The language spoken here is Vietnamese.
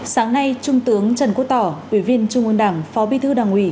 sáng nay trung tướng trần quốc tỏ ủy viên trung ương đảng phó bí thư đảng ủy